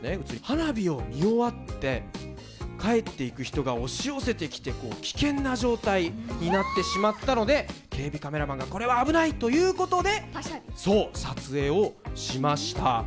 花火を見終わって帰っていく人が押し寄せてきて危険な状態になってしまったので警備カメラマンがこれは危ないということで撮影をしました。